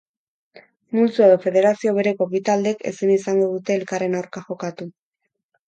Multzo edo federazio bereko bi taldek ezin izango dute elkarren aurka jokatu.